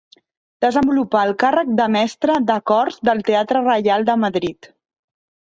Desenvolupà el càrrec de mestre de cors del teatre Reial de Madrid.